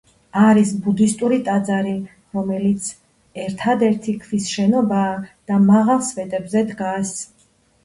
არის ბუდისტური ტაძარი, რომელიც ერთადერთი ქვის შენობაა და მაღალ სვეტებზე დგას.